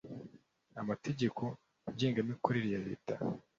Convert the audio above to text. amategeko ngengamikorere ya reta